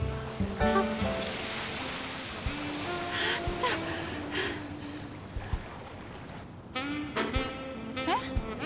あった！え？